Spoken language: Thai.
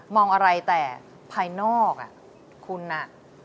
มองอะไรแต่ภายนอกอ่ะคุณอ่ะ